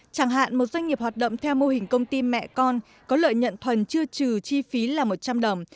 chẳng hạn một doanh nghiệp hoạt động theo mô hình công ty mẹ con có lợi nhận thuần chưa trừ chi phí là một trăm linh đồng